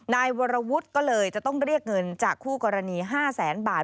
นายวรวุฒิก็เลยจะต้องเรียกเงินจากคู่กรณี๕แสนบาท